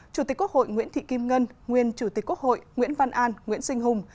chủ tịch quốc hội nguyễn thị kim ngân nguyên chủ tịch quốc hội nguyễn văn an nguyễn sinh hùng